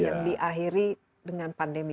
yang diakhiri dengan pandemi